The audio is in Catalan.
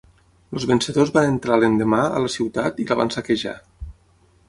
Els vencedors van entrar l'endemà a la ciutat i la van saquejar.